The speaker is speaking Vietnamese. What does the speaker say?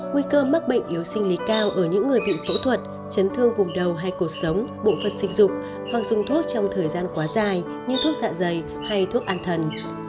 nguy cơ mắc bệnh yếu sinh lý cao ở những người bị phẫu thuật chấn thương vùng đầu hay cuộc sống bộ phận sinh dục hoặc dùng thuốc trong thời gian quá dài như thuốc dạ dày hay thuốc an thần